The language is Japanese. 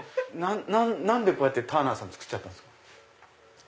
何でこうやってターナーさん作っちゃったんですか？